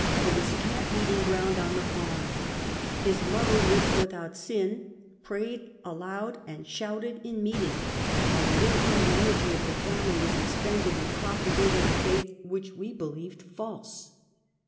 There was a camp meeting ground on the farm ; his mother "lived without sin," prayed aloud and shouted in meeting, wliile the income and energy of the family were expended in propagating a faith which we be lieved false.